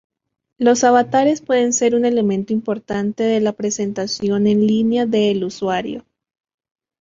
Los avatares pueden ser un elemento importante de la presentación en línea del usuario.